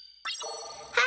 はい！